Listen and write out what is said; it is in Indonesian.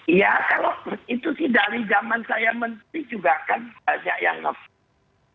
iya kalau itu sih dari zaman saya menteri juga kan banyak yang ngefan